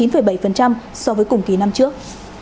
và tăng chín bảy so với cùng kỳ năm trước